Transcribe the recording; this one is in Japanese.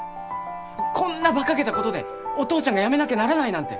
こんなバカげたことでお父ちゃんが辞めなきゃならないなんて！